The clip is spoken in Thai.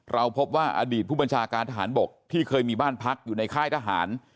เราพบว่าอดีตผู้บัญชาการทหารบกที่เคยมีบ้านพักอยู่ในค่ายทหาร